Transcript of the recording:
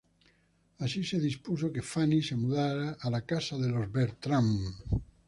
Así se dispuso que Fanny se mudara a la casa de los Bertram.